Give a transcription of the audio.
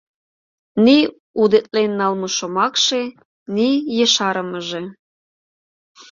Ни удетлен налме шомакше, ни ешарымыже.